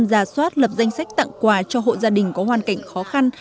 giả soát lập danh sách tặng quà cho hộ gia đình có hoàn cảnh khó khăn